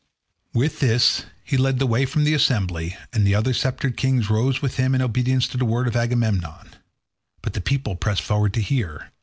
With this he led the way from the assembly, and the other sceptred kings rose with him in obedience to the word of Agamemnon; but the people pressed forward to hear.